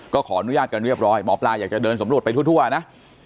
ขออนุญาตกันเรียบร้อยหมอปลาอยากจะเดินสำรวจไปทั่วนะ